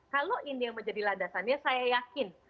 kalau ini yang menjadi landasannya saya yakin